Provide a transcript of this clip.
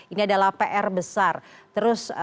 ini adalah pr besar